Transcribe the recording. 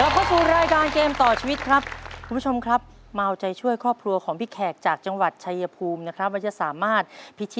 โปรดติดตามตอนต่อไป